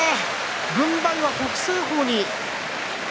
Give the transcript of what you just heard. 軍配は北青鵬。